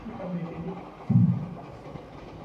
ulivyofanyika uchaguzi uliodaiwa kuwa